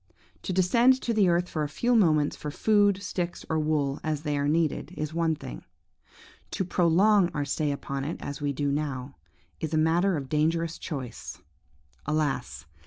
To descend to the earth for a few moments for food, sticks, or wool, as they are needed, is one thing; to prolong our stay upon it, as we do now, is a matter of dangerous choice. Alas!